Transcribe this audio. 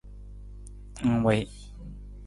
Ng wii.